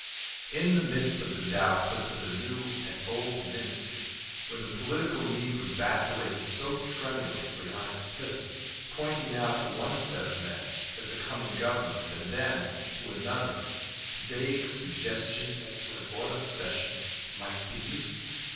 In the midst of the doubts as to the new and old Ministry, when the political needle was vacillating so tremulously on its pivot, pointing now to one set of men as the coming Government and then to another, vague suggestions as to an autumn session might be useful.